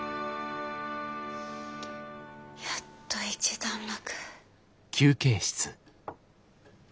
やっと一段落。